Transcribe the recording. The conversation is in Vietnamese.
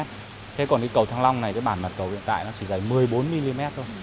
thế còn cái cầu thăng long này cái bản mặt cầu hiện tại nó chỉ dày một mươi bốn mm thôi